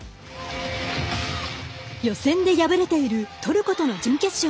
予選で敗れているトルコとの準決勝